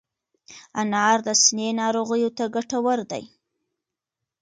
انار د سینې ناروغیو ته ګټور دی.